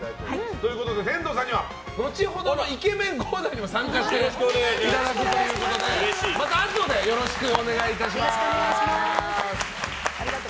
ということで天童さんにはのちほどのイケメンコーナーにも参加していただけるということでまたあとでよろしくお願いいたします。